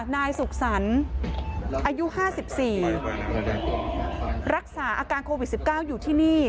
นายสุขสรรค์อายุห้าสิบสี่รักษาอาการโควิดสิบเก้าอยู่ที่นี่